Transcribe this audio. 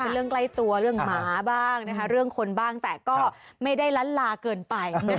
เรื่องใกล้ตัวเรื่องหมาบ้างนะคะเรื่องคนบ้างแต่ก็ไม่ได้ล้านลาเกินไป